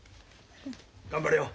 頑張れよ。